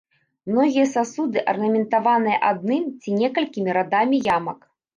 Многія сасуды арнаментаваныя адным ці некалькімі радамі ямак.